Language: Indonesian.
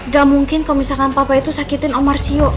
gak mungkin kalau misalkan papa itu sakitin omar sio